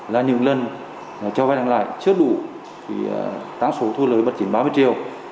là những lần cho vay đăng lại chưa đủ tăng số thu lời bật chỉnh ba mươi triệu